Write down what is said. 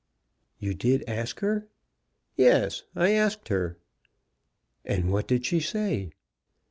"You did ask her?" "Yes, I asked her." "And what did she say?"